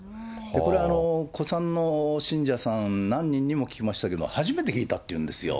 これ、古参の信者さん何人にも聞きましたけど、初めて聞いたっていうんですよ。